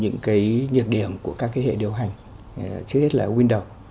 những cái nhiệt điểm của các cái hệ điều hành trước hết là windows